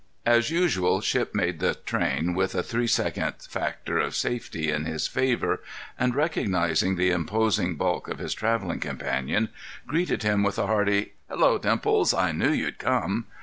As usual, Shipp made the train with a three second factor of safety in his favor, and, recognizing the imposing bulk of his traveling companion, greeted him with a hearty: "Hello, Dimples! I knew you'd come."